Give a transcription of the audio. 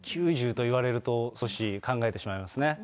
９０といわれると、少し考えてしまいますね。